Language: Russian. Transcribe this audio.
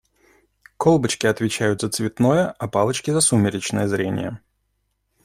Колбочки отвечают за цветное, а палочки - за сумеречное зрение.